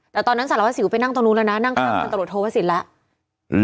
แต่ตอนนั้นสารวสิวไปนั่งตรงนู้นแล้วนะนั่งทางพันตะโหลโทษภาษีแล้ว